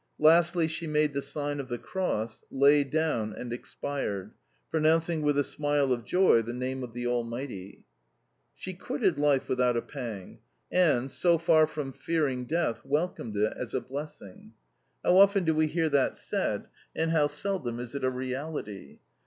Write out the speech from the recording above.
Lastly she made the sign of the cross, lay down, and expired pronouncing with a smile of joy the name of the Almighty. She quitted life without a pang, and, so far from fearing death, welcomed it as a blessing. How often do we hear that said, and how seldom is it a reality!